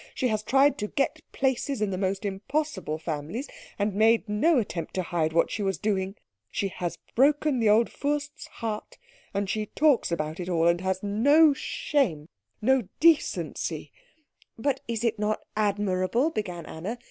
She has tried to get places in the most impossible families, and made no attempt to hide what she was doing. She has broken the old Fürst's heart. And she talks about it all, and has no shame, no decency " "But is it not admirable " began Anna.